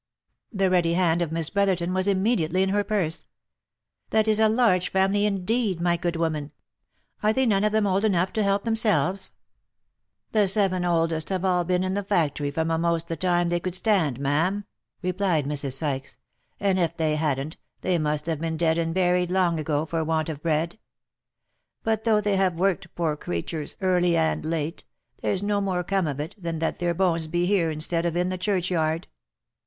The ready hand of Miss Brotherton was immediately in her purse. " That is a large family indeed, my good woman. Are they none of them old enough to help themselves ?"" The seven oldest have all been in the factory from a'most the time they could stand, ma'am," replied Mrs. Sykes, " and if they hadn't, they must have been dead and buried long ago for want of bread. But though they have worked poor creturs, early and late, there's no more come of it, than that their bones be here instead of in the churchyard."